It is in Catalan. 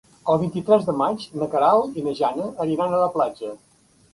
El vint-i-tres de maig na Queralt i na Jana aniran a la platja.